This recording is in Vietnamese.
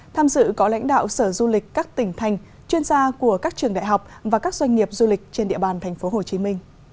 tham dự có lãnh đạo sở du lịch các tỉnh thành chuyên gia của các trường đại học và các doanh nghiệp du lịch trên địa bàn tp hcm